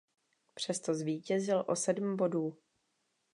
Přesto zvítězil o sedm bodů.